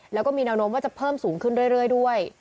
แล้วก็มีแนวโน้มว่าจะเพิ่มสูงขึ้นเรื่อยด้วย